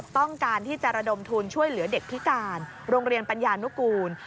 ต้องการที่จะระดมทุนช่วยเหลือเด็กพิการโรงเรียนปัญญานุกูล